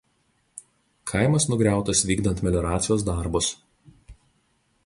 Kaimas nugriautas vykdant melioracijos darbus.